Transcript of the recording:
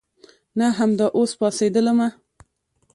نه امدا اوس پاڅېدلمه.